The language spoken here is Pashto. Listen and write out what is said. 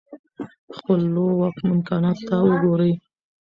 خپلو امکاناتو ته وګورئ.